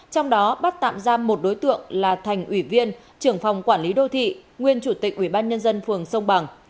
trong đó bắt tạm giam một đối tượng là thành ủy viên trưởng phòng quản lý đô thị nguyên chủ tịch ủy ban nhân dân phường sông bằng